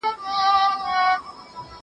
زه اوږده وخت د کتابتون لپاره کار کوم!